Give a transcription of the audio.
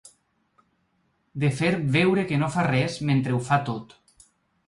De fer veure que no fa res, mentre ho fa tot.